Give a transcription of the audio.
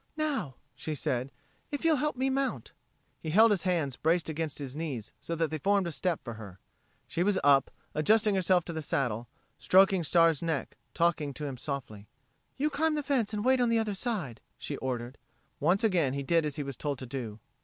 "Now," she said, "if you'll help me mount." He held his hands braced against his knees so that they formed a step for her. She was up, adjusting herself to the saddle, stroking Star's neck, talking to him softly. "You climb the fence and wait on the other side," she ordered. Once again he did as he was told to do.